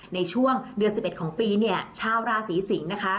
ในช่วงเดือน๑๑ของปีเนี่ยชาวราศีสิงศ์นะคะ